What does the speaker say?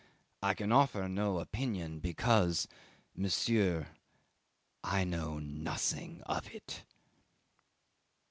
I can offer no opinion because monsieur I know nothing of it."